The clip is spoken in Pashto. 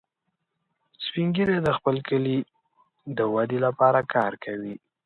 سپین ږیری د خپل کلي د ودې لپاره کار کوي